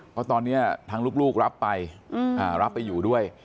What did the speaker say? เพราะตอนนี้ทางลูกรับไปรับไปอยู่ด้วย